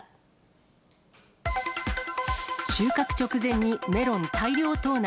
収穫直前にメロン大量盗難。